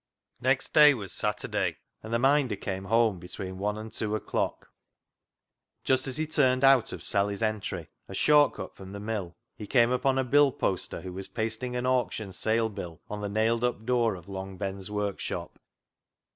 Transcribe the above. Next day was Saturday, and the Minder came home between one and two o'clock. Just as he turned out of Sally's entry, a short cut from the mill, he came upon a bill poster who was pasting an auction sale bill on the nailed up door of Long Ben's workshop.